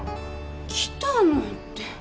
来たの？って